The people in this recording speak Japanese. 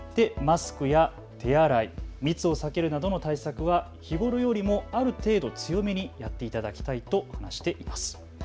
マスクや手洗い、密を避けるなどの対策は日頃よりもある程度強めにやっていただきたいと話しています。